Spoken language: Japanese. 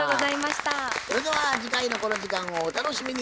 それでは次回のこの時間をお楽しみに。